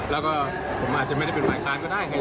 แล้วก็ผมอาจจะไม่ได้เป็นฝ่ายค้านก็ได้ไง